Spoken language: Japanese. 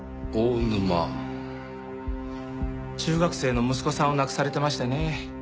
中学生の息子さんを亡くされてましてね。